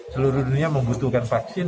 seluruh dunia membutuhkan vaksin